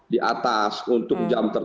di atas untuk